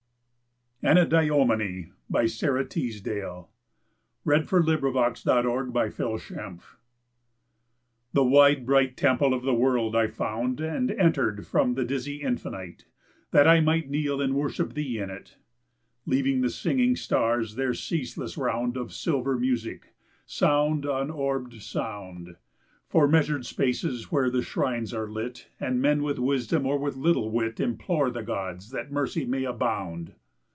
ound and touch, How can they shut me underneath a stone? Anadyomene The wide, bright temple of the world I found, And entered from the dizzy infinite That I might kneel and worship thee in it; Leaving the singing stars their ceaseless round Of silver music sound on orbed sound, For measured spaces where the shrines are lit, And men with wisdom or with little wit Implore the gods that mercy may abound.